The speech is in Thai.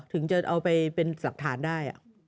ถึงจะเอาไปเป็นหลักฐานได้